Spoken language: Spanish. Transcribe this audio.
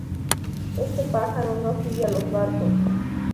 Este pájaro no sigue a los barcos.